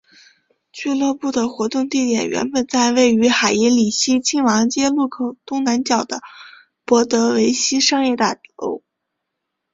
俱乐部的活动地点原本在位于海因里希亲王街路口东南角的博德维希商业大楼。